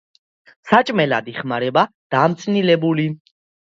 საჭმელად იხმარება დამწნილებული.